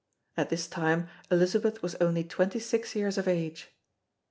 At this time Elizabeth was only 26 years of age.